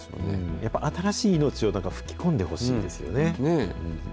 やっぱ新しい命を吹き込んでほしいですよね。